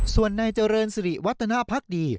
ส่วนนายเจริญสิริวัฒนภักดี